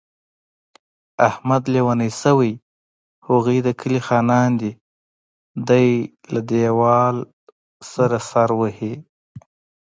احمد لېونی شوی، هغوی د کلي خانان دي. دی له دېوال سره سر وهي.